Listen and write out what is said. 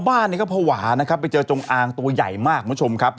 บ้านนี่ก็พอหวานะครับไปเจอจงอางตัวใหญ่มากเพราะชมครับ